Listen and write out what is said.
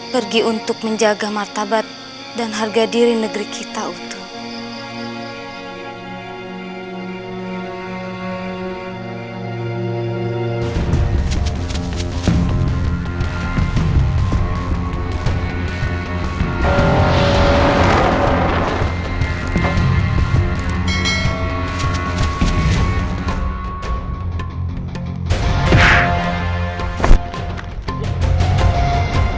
pergi untuk menjaga martabat dan harga diri negeri kita utun